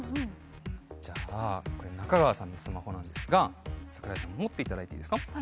じゃあこれ中川さんのスマホなんですが桜井さん持っていただいていいですか？